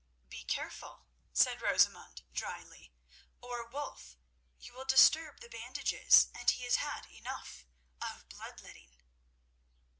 "Be careful," said Rosamund drily, "or, Wulf, you will disturb the bandages, and he has had enough of blood letting."